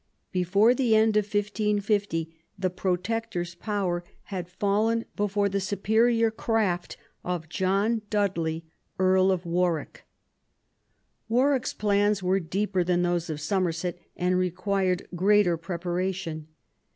Before the end of 1550 the Protector's power had fallen before the superior craft of John Dudley, Earl of Warwick. Warwick's plans were deeper than those of Somerset, and required greater preparation.